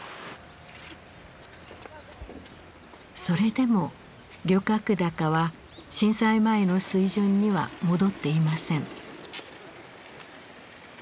それでも漁獲高は震災前の水準には戻っていません。